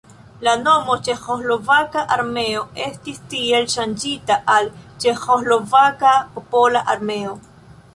La nomo Ĉeĥoslovaka armeo estis tiel ŝanĝita al Ĉeĥoslovaka popola armeo.